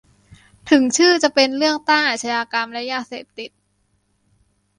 ถึงชื่อจะเป็นเรื่องต้านอาชญากรรมและยาเสพติด